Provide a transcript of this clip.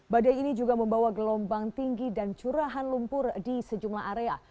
badai ini juga membawa gelombang tinggi dan curahan lumpur di sejumlah area